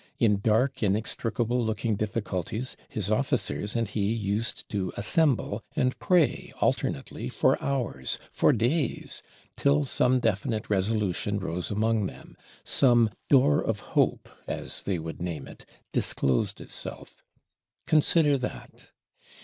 In dark inextricable looking difficulties, his Officers and he used to assemble, and pray alternately, for hours, for days, till some definite resolution rose among them, some "door of hope," as they would name it, disclosed itself. Consider that.